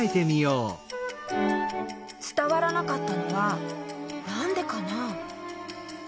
つたわらなかったのはなんでかな？